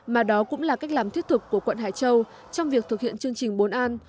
mà đó cũng là cách làm thiết thực của quận hải châu trong việc thực hiện chương trình bốn an